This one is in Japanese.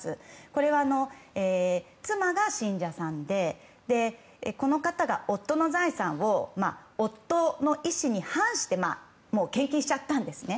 これは、妻が信者さんでこの方が夫の財産を夫の意思に反して献金しちゃったんですね。